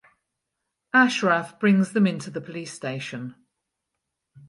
Ashraf brings them into the police station.